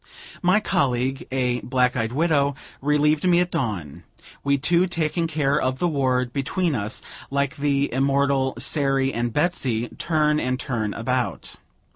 My colleague, a black eyed widow, relieved me at dawn, we two taking care of the ward, between us, like the immortal Sairy and Betsey, "turn and turn about."